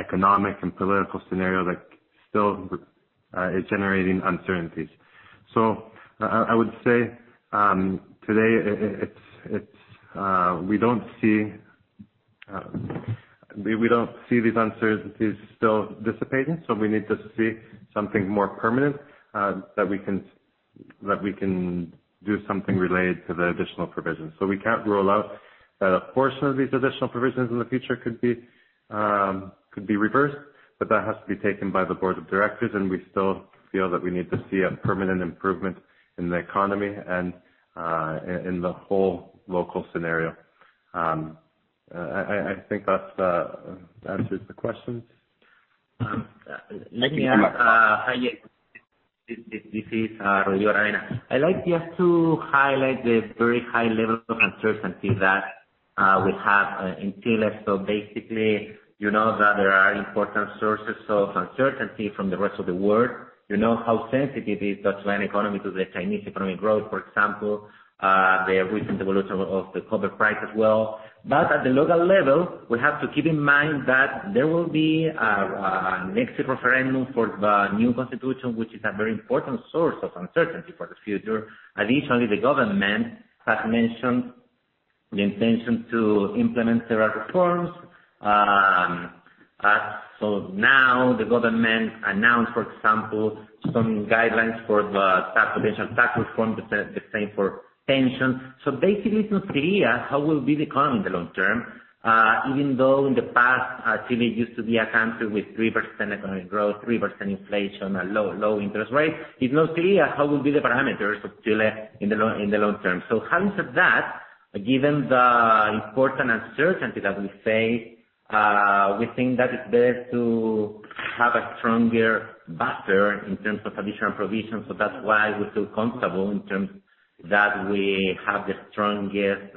economic and political scenario that still is generating uncertainties. I would say today, it's we don't see these uncertainties still dissipating, so we need to see something more permanent that we can do something related to the additional provisions. We can't rule out that a portion of these additional provisions in the future could be reversed, but that has to be taken by the board of directors, and we still feel that we need to see a permanent improvement in the economy and in the whole local scenario. I think that answers the question. Let me ask. This is Rodrigo Aravena. I'd like just to highlight the very high level of uncertainty that. We have in Chile, basically, you know that there are important sources of uncertainty from the rest of the world. You know how sensitive is the Chilean economy to the Chinese economic growth, for example, the recent evolution of the copper price as well. At the local level, we have to keep in mind that there will be a next referendum for the new constitution, which is a very important source of uncertainty for the future. Additionally, the government has mentioned the intention to implement several reforms. As for now, the government announced, for example, some guidelines for the tax potential tax reform, the same for pension. Basically, it's not clear how will be the economy in the long term, even though in the past, Chile used to be a country with 3% economic growth, 3% inflation, a low interest rate. It's not clear how will be the parameters of Chile in the long term. Having said that, given the important uncertainty that we face, we think that it's best to have a stronger buffer in terms of additional provisions. That's why we feel comfortable in terms that we have the strongest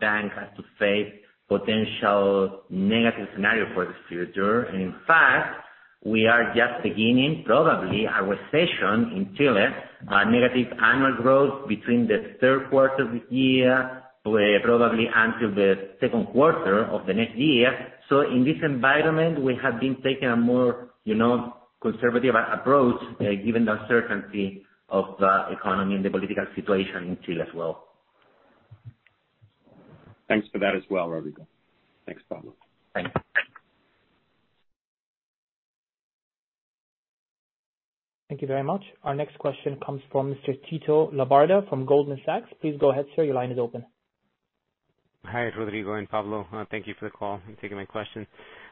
bank as to face potential negative scenario for the future. In fact, we are just beginning probably our recession in Chile, a negative annual growth between the third quarter of the year, where probably until the second quarter of the next year. In this environment, we have been taking a more, you know, conservative approach, given the uncertainty of the economy and the political situation in Chile as well. Thanks for that as well, Rodrigo. Thanks, Pablo. Thank you. Thank you very much. Our next question comes from Mr. Tito Labarta from Goldman Sachs. Please go ahead, sir. Your line is open. Hi, Rodrigo and Pablo. Thank you for the call and taking my question.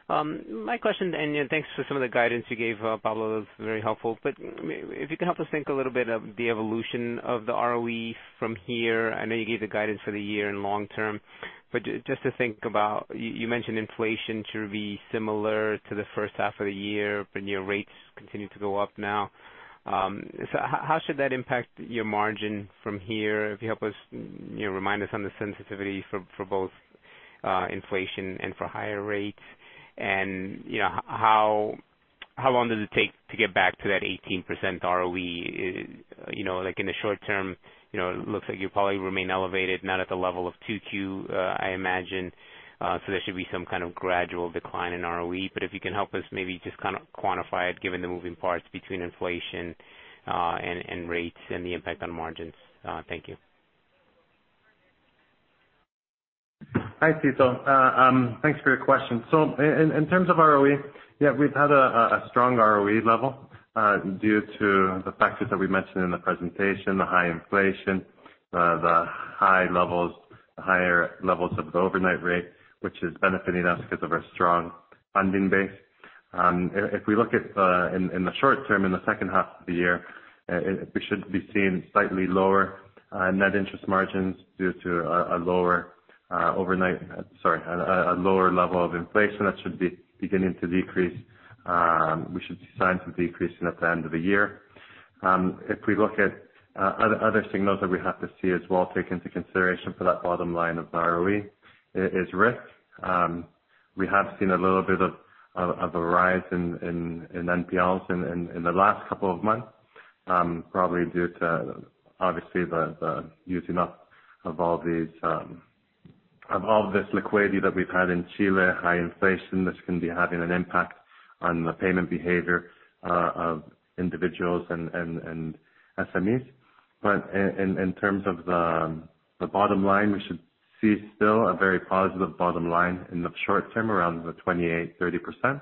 My question, and, you know, thanks for some of the guidance you gave, Pablo. It was very helpful. If you could help us think a little bit of the evolution of the ROE from here. I know you gave the guidance for the year and long term, just to think about, you mentioned inflation should be similar to the first half of the year, but your rates continue to go up now. So how should that impact your margin from here? If you help us, you know, remind us on the sensitivity for both, inflation and for higher rates. You know, how long does it take to get back to that 18% ROE? You know, like in the short term, you know, it looks like you probably remain elevated, not at the level of 2Q, I imagine. So there should be some kind of gradual decline in ROE, but if you can help us maybe just kind of quantify it given the moving parts between inflation, and rates and the impact on margins. Thank you. Hi, Tito. Thanks for your question. In terms of ROE, yeah, we've had a strong ROE level due to the factors that we mentioned in the presentation, the high inflation, the higher levels of the overnight rate, which is benefiting us because of our strong funding base. If we look at in the short term, in the second half of the year, we should be seeing slightly lower net interest margins due to a lower overnight. Sorry, a lower level of inflation. That should be beginning to decrease. We should see some decrease at the end of the year. If we look at other signals that we have to see as well, take into consideration for that bottom line of ROE is risk. We have seen a little bit of a rise in NPLs in the last couple of months, probably due to obviously the using up of all this liquidity that we've had in Chile, high inflation, this can be having an impact on the payment behavior of individuals and SMEs. In terms of the bottom line, we should see still a very positive bottom line in the short term, around 28%-30%.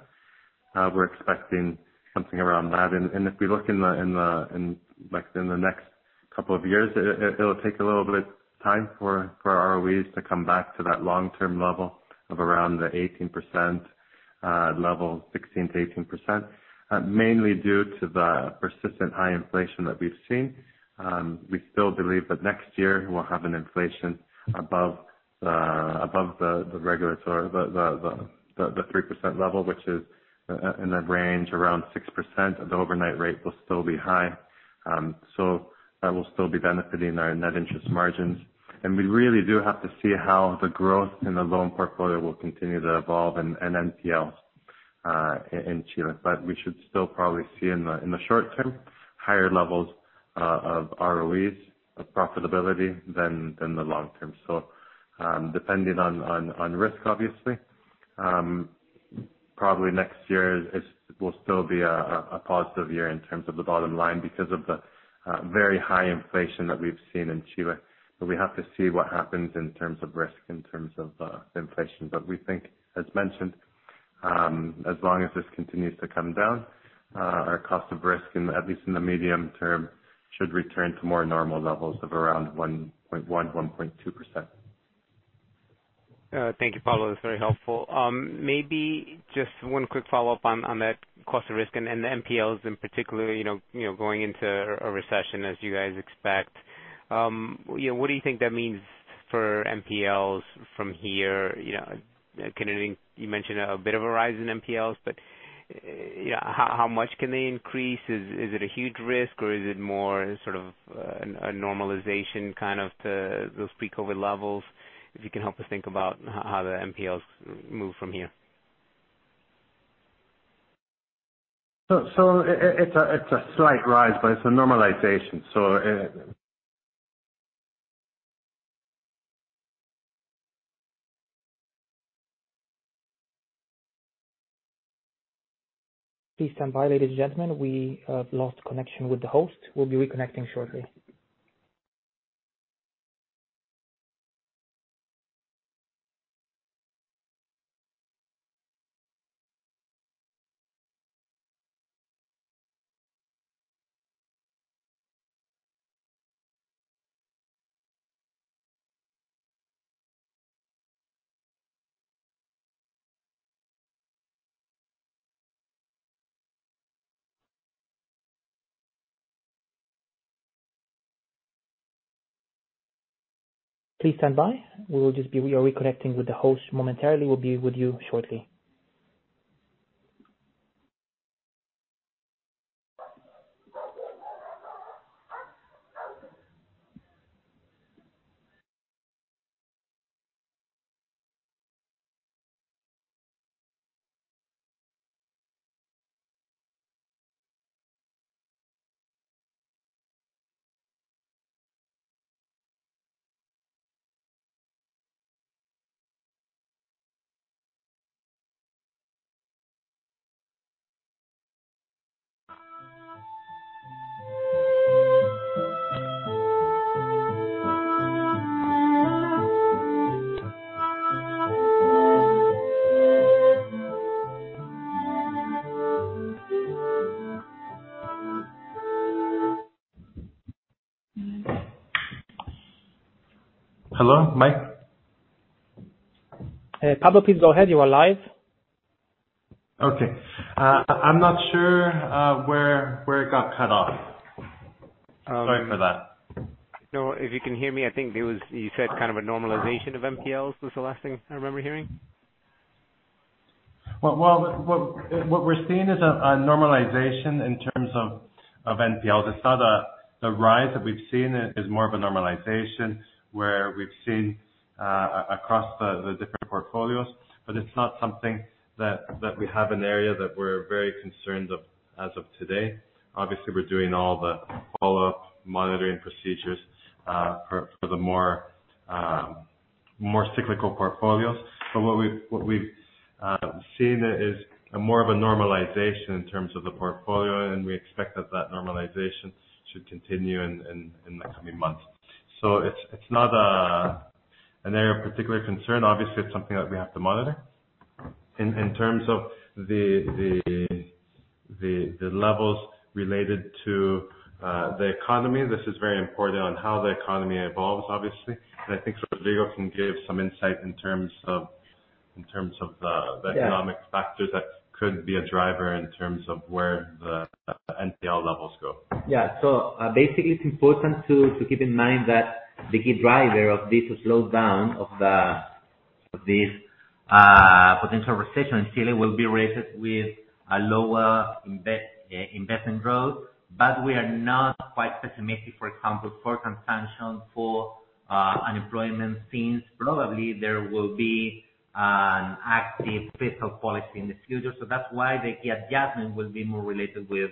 We're expecting something around that. If we look in the next couple of years, it'll take a little bit of time for ROEs to come back to that long-term level of around the 18% level 16%-18%, mainly due to the persistent high inflation that we've seen. We still believe that next year we'll have an inflation above the regulatory 3% level, which is in the range around 6%, the overnight rate will still be high. That will still be benefiting our net interest margins. We really do have to see how the growth in the loan portfolio will continue to evolve and NPL in Chile. We should still probably see in the short term higher levels of ROEs of profitability than the long term. Depending on risk obviously, probably next year will still be a positive year in terms of the bottom line because of the very high inflation that we've seen in Chile. We have to see what happens in terms of risk, in terms of inflation. We think as mentioned, as long as this continues to come down, our cost of risk in at least the medium term should return to more normal levels of around 1.1%-1.2%. Thank you, Pablo. That's very helpful. Maybe just one quick follow-up on that cost of risk and the NPLs in particular, you know, going into a recession as you guys expect. You know, what do you think that means for NPLs from here? You know, can it. You mentioned a bit of a rise in NPLs, but, you know, how much can they increase? Is it a huge risk or is it more sort of a normalization kind of to those pre-COVID levels? If you can help us think about how the NPLs move from here. It's a slight rise, but it's a normalization. Please stand by, ladies and gentlemen. We have lost connection with the host. We'll be reconnecting shortly. Please stand by. We are reconnecting with the host momentarily. We'll be with you shortly. Hello, Mike? Pablo, please go ahead. You are live. Okay. I'm not sure where it got cut off. Sorry for that. No worries. If you can hear me, I think it was, you said kind of a normalization of NPLs, was the last thing I remember hearing. Well, what we're seeing is a normalization in terms of NPL. It's not a rise that we've seen is more of a normalization, where we've seen across the different portfolios, but it's not something that we have an area that we're very concerned of as of today. Obviously, we're doing all the follow-up monitoring procedures for the more cyclical portfolios. What we've seen is more of a normalization in terms of the portfolio, and we expect that normalization should continue in the coming months. It's not an area of particular concern. Obviously, it's something that we have to monitor. In terms of the levels related to the economy, this is very important on how the economy evolves, obviously.I think Rodrigo can give some insight in terms of the- Yeah. Economic factors that could be a driver in terms of where the NPL levels go. Yeah. Basically, it's important to keep in mind that the key driver of this slowdown of this potential recession in Chile will be related with a lower investment growth. We are not quite pessimistic, for example, for consumption, for unemployment, since probably there will be an active fiscal policy in the future. That's why the key adjustment will be more related with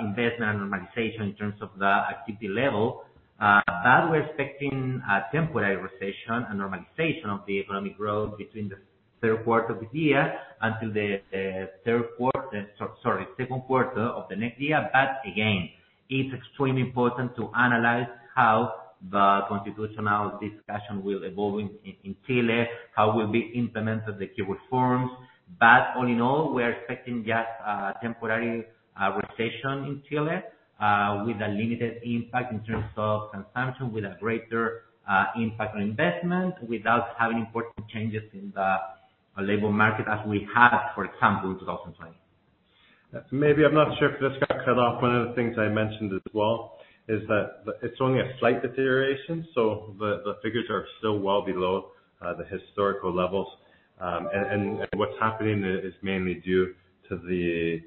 investment and normalization in terms of the activity level. That we're expecting a temporary recession, a normalization of the economic growth between the third quarter of the year until the second quarter of the next year. Again, it's extremely important to analyze how the constitutional discussion will evolve in Chile, how will be implemented the key reforms. All in all, we're expecting just a temporary recession in Chile, with a limited impact in terms of consumption, with a greater impact on investment, without having important changes in the labor market as we had, for example, in 2020. Maybe I'm not sure if this got cut off. One of the things I mentioned as well is that it's only a slight deterioration, so the figures are still well below the historical levels. What's happening is mainly due to the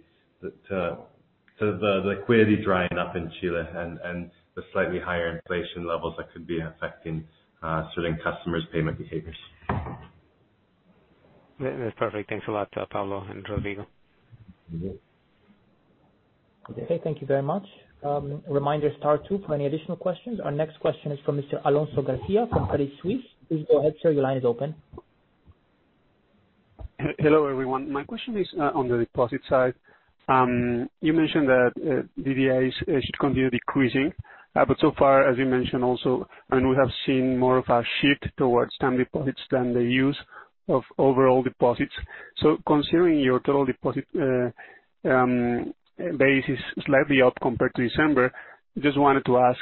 liquidity drying up in Chile and the slightly higher inflation levels that could be affecting certain customers' payment behaviors. That's perfect. Thanks a lot, Pablo and Rodrigo. Mm-hmm. Okay. Thank you very much. Reminder, star two for any additional questions. Our next question is from Mr. Alonso García from Credit Suisse. Please go ahead, sir. Your line is open. Hello, everyone. My question is on the deposit side. You mentioned that DDAs should continue decreasing. But so far, as you mentioned also, we have seen more of a shift towards time deposits than the use of overall deposits. Considering your total deposit base is slightly up compared to December, just wanted to ask,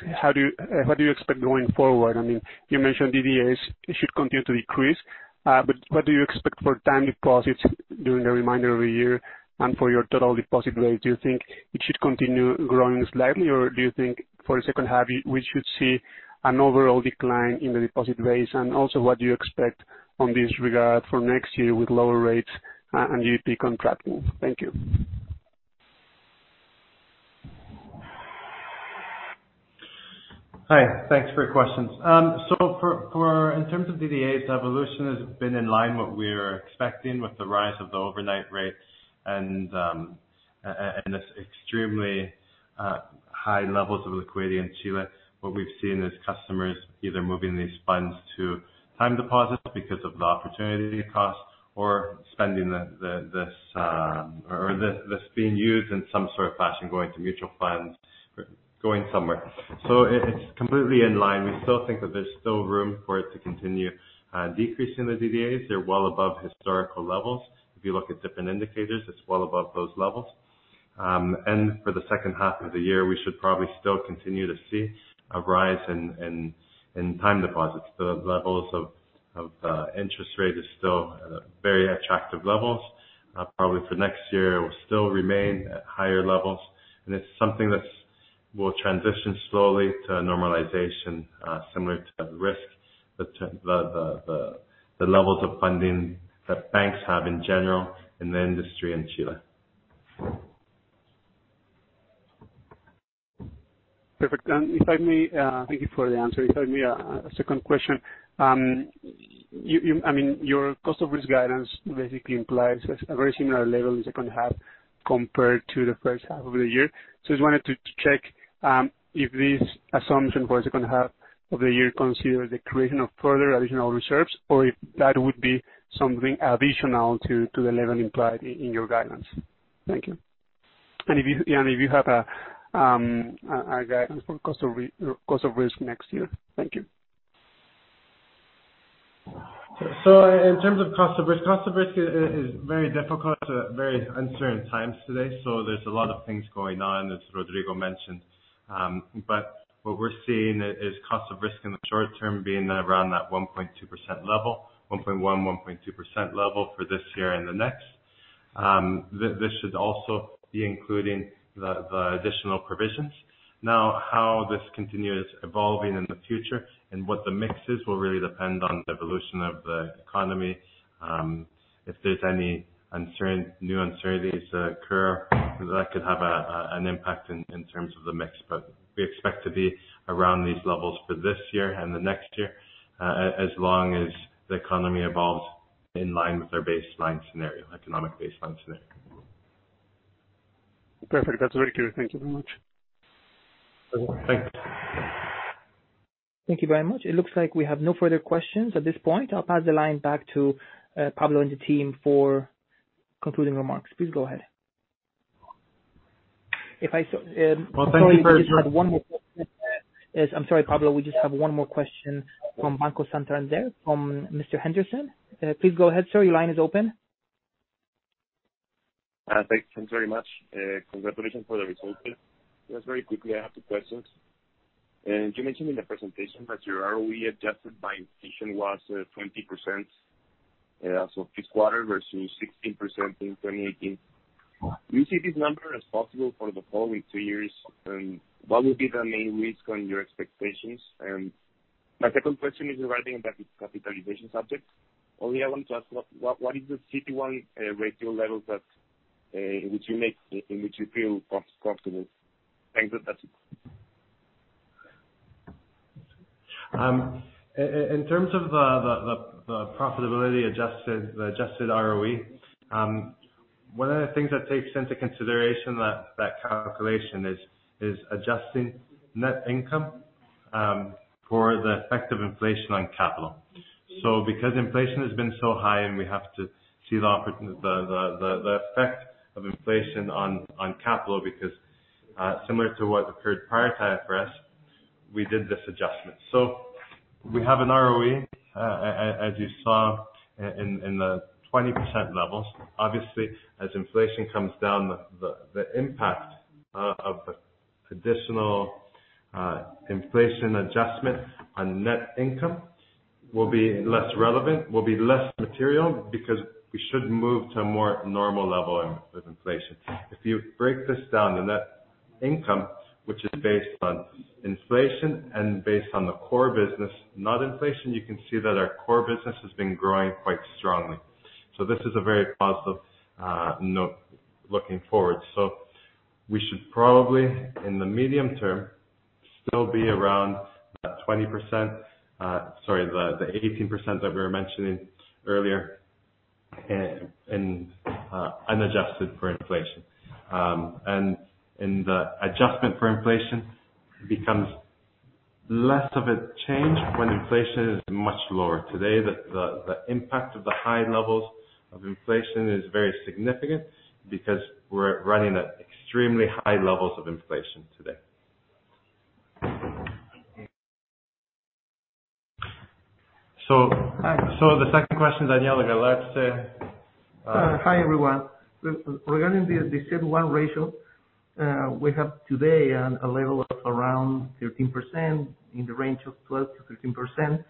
what do you expect going forward? I mean, you mentioned DDAs should continue to decrease, but what do you expect for time deposits during the remainder of the year and for your total deposit base? Do you think it should continue growing slightly, or do you think for the second half we should see an overall decline in the deposit base? Also, what do you expect on this regard for next year with lower rates and UF contracting? Thank you. Hi, thanks for your questions. In terms of DDAs evolution has been in line what we are expecting with the rise of the overnight rates and this extremely high levels of liquidity in Chile. What we've seen is customers either moving these funds to time deposits because of the opportunity cost or spending this or this being used in some sort of fashion going to mutual funds or going somewhere. It's completely in line. We still think that there's still room for it to continue decreasing the DDAs. They're well above historical levels. If you look at different indicators, it's well above those levels. For the second half of the year, we should probably still continue to see a rise in time deposits. The levels of interest rates is still at a very attractive levels. Probably for next year will still remain at higher levels, and it's something that will transition slowly to a normalization, similar to the risk that the levels of funding that banks have in general in the industry in Chile. Perfect. If I may, thank you for the answer. If I may, ask a second question. I mean, your cost of risk guidance basically implies a very similar level in second half compared to the first half of the year. I just wanted to check if this assumption for the second half of the year considers the creation of further additional reserves or if that would be something additional to the level implied in your guidance. Thank you. If you have a guidance for cost of risk next year. Thank you. In terms of cost of risk, cost of risk is very difficult, very uncertain times today, so there's a lot of things going on, as Rodrigo Aravena mentioned. What we're seeing is cost of risk in the short term being around that 1.2% level, 1.1%-1.2% level for this year and the next. This should also be including the additional provisions. Now, how this continues evolving in the future and what the mix is will really depend on the evolution of the economy. If there's any new uncertainties that occur, that could have an impact in terms of the mix. We expect to be around these levels for this year and the next year, as long as the economy evolves in line with our baseline scenario. Perfect. That's very clear. Thank you very much. Thanks. Thank you very much. It looks like we have no further questions at this point. I'll pass the line back to Pablo and the team for concluding remarks. Please go ahead. Well, thank you very much. I'm sorry, we just have one more question. Yes, I'm sorry, Pablo, we just have one more question from Banco Santander from Mr. Andres Soto. Please go ahead, sir. Your line is open. Thanks very much. Congratulations for the results. Just very quickly, I have two questions. You mentioned in the presentation that your ROE adjusted by inflation was 20%, so this quarter versus 16% in 2018. Do you see this number as possible for the following two years? What would be the main risk on your expectations? My second question is regarding the capitalization subject. I want to ask what is the CET1 ratio level that in which you feel confident? Thanks. That's it. In terms of the profitability adjusted, the adjusted ROE, one of the things that takes into consideration that calculation is adjusting net income for the effect of inflation on capital. Because inflation has been so high and we have to see the effect of inflation on capital, because similar to what occurred prior to IFRS, we did this adjustment. We have an ROE, as you saw in the 20% levels. Obviously, as inflation comes down, the impact of the traditional inflation adjustment on net income will be less relevant, will be less material because we should move to a more normal level of inflation. If you break this down, the net income, which is based on inflation and based on the core business, not inflation, you can see that our core business has been growing quite strongly. This is a very positive note looking forward. We should probably, in the medium term, still be around that 18% that we were mentioning earlier and unadjusted for inflation. The adjustment for inflation becomes less of a change when inflation is much lower. Today, the impact of the high levels of inflation is very significant because we're running at extremely high levels of inflation today. The second question, Daniel, let's Hi, everyone. Regarding the CET1 ratio, we have today a level of around 13%, in the range of 12%-13%.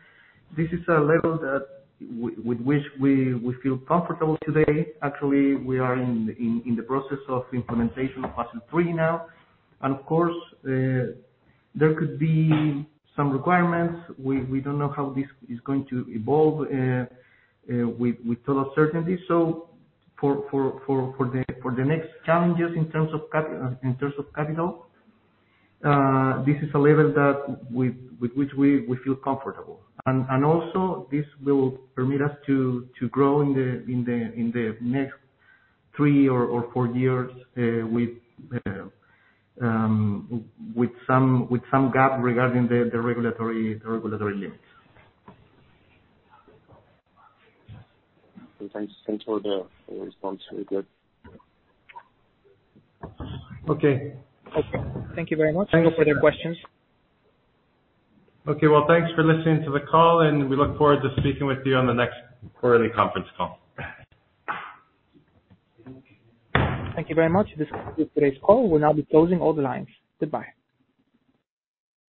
This is a level that we feel comfortable today. Actually, we are in the process of implementation of Basel III now. Of course, there could be some requirements. We don't know how this is going to evolve with total certainty. For the next challenges in terms of capital, this is a level that we, with which we feel comfortable. Also this will permit us to grow in the next three or four years with some gap regarding the regulatory limits. Thanks. Thanks for the response. Very good. Okay. Okay. Thank you very much. No further questions. Okay. Well, thanks for listening to the call, and we look forward to speaking with you on the next quarterly conference call. Thank you very much. This concludes today's call. We'll now be closing all the lines. Goodbye.